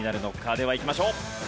ではいきましょう。